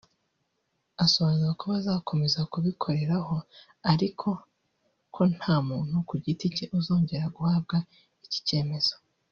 asobanura ko bazakomeza kubikoreraho ariko ko nta muntu ku giti cye uzongera guhabwa iki cyemezo